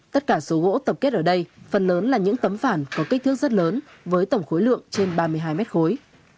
tất cả số gỗ tập kết ở đây phần lớn là những tấm phản có kích thước rất lớn với tổng khối lượng trên ba mươi hai mét khối